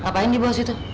ngapain di bawah situ